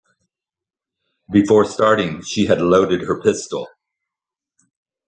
Before starting she had loaded her pistol.